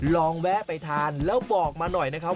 ลองแวะไปทานแล้วบอกมาหน่อยนะครับ